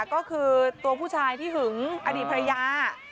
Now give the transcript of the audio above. ก็คือตัวผู้ชายที่หึงอดีตภรรยา